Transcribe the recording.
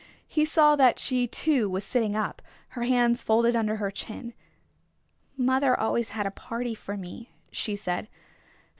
He saw that she too was sitting up, her hands folded under her chin. "Mother always had a party for me," she said.